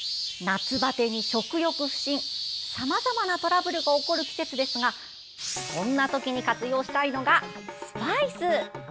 夏バテに食欲不振さまざまなトラブルが起こる季節ですがそんなときに活用したいのがスパイス！